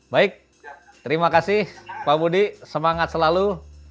baik terima kasih pak budi semangat selalu